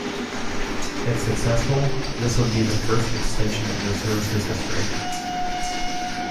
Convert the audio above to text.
If successful, this would be the first extension in the service's history.